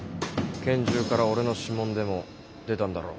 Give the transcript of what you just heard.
拳銃から俺の指紋でも出たんだろ？